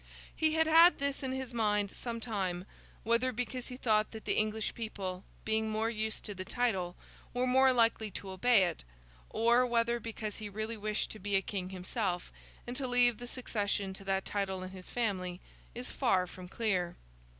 He had had this in his mind some time: whether because he thought that the English people, being more used to the title, were more likely to obey it; or whether because he really wished to be a king himself, and to leave the succession to that title in his family, is far from clear.